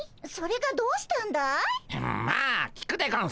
それがどうしたんだい？